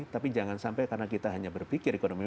tapi jangan sampai karena kita hanya berpikir ekonomi